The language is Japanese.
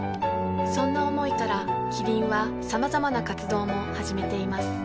そんな思いからキリンはさまざまな活動も始めています